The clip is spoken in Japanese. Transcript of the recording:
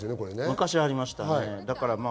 昔はありました。